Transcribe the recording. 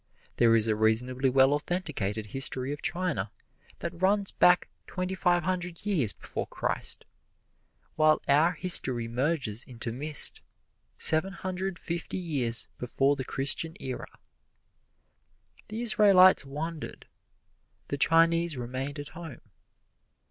There is a reasonably well authenticated history of China that runs back twenty five hundred years before Christ, while our history merges into mist seven hundred fifty years before the Christian era. The Israelites wandered; the Chinese remained at home.